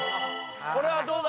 これはどうだ？